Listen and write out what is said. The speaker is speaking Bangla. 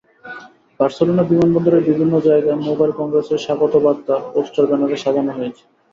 বার্সেলোনা বিমানবন্দরের বিভিন্ন জায়গা মোবাইল কংগ্রেসের স্বাগত বার্তা, পোস্টার, ব্যানারে সাজানো হয়েছে।